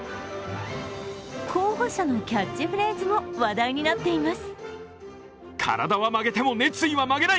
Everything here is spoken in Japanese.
候補者のキャッチフレーズも話題になっています。